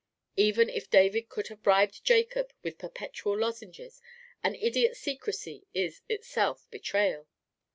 Even if David could have bribed Jacob with perpetual lozenges, an idiot's secrecy is itself betrayal.